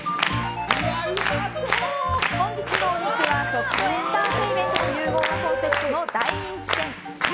本日のお肉は食とエンターテインメントの融合がコンセプトの大人気店牛